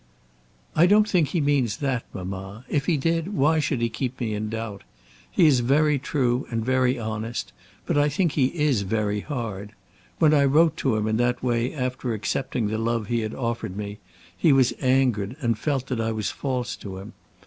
"I don't think he means that, mamma. If he did why should he keep me in doubt? He is very true and very honest, but I think he is very hard. When I wrote to him in that way after accepting the love he had offered me, he was angered, and felt that I was false to him.